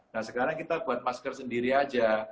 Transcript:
nah sekarang kita buat masker sendiri aja